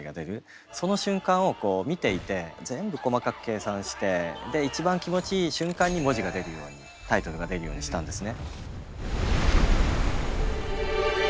その瞬間をこう見ていて全部細かく計算して一番気持ちいい瞬間に文字が出るようにタイトルが出るようにしたんですね。